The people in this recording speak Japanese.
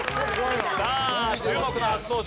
さあ注目の初登場！